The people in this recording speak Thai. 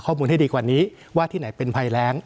ข้อมูลให้ดีกว่านี้ว่าที่ไหนเป็นภัยแรง